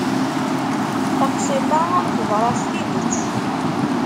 Taqsiṭ-a teḍra s tidet.